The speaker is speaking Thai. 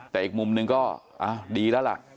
แต่อีกมุมหนึ่งก็ดีแล้วล่ะ